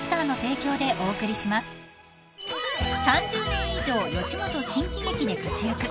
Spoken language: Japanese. ［３０年以上吉本新喜劇で活躍］